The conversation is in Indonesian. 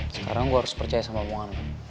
sekarang gue harus percaya sama om anwar